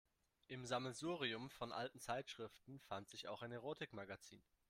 Im Sammelsurium von alten Zeitschriften fand sich auch ein Erotikmagazin.